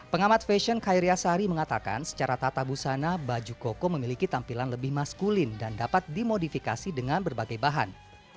pengamat fashion khairia sari mengatakan secara tata busana baju koko memiliki tampilan lebih maskulin dan dapat dimodifikasi dengan berbagai bahan